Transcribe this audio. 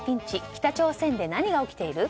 北朝鮮で何が起きている？